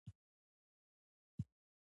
نوې ټکنالوژي وخت ژغوري